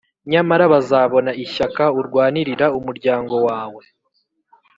nyamara bazabona ishyaka urwanirira umuryango wawe,